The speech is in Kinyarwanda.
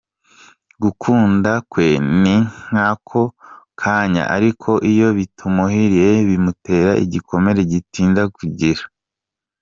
Gukunda kwe ni nk’ako kanya ariko iyo bitamuhiriye bimutera igikomere gitinda gukira.